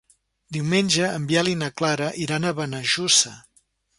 Diumenge en Biel i na Clara iran a Benejússer.